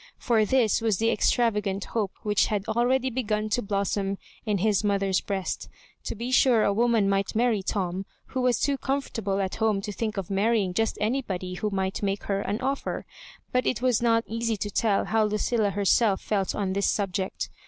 For this was the extravagant hope which had already begun to blossom in his mothqg| breast. To be sure a woman might marry Tom, who was too comfortable at home to think of marrying just anybody who might make her an oflfer. But it was not easy to tell how Lucilla herself felt on this subject.